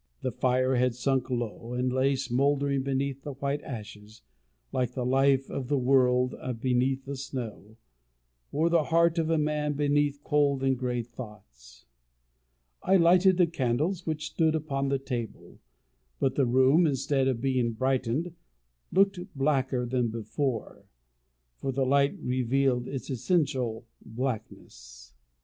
The fire had sunk low, and lay smouldering beneath the white ashes, like the life of the world beneath the snow, or the heart of a man beneath cold and grey thoughts. I lighted the candles which stood upon the table, but the room, instead of being brightened looked blacker than before, for the light revealed its essential blackness.